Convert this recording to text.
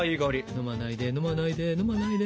飲まないで飲まないで飲まないで。